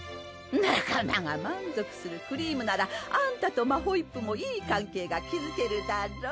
仲間が満足するクリームならアンタとマホイップもいい関係が築けるだろう。